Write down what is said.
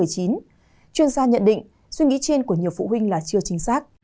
chuyên gia nhận định suy nghĩ trên của nhiều phụ huynh là chưa chính xác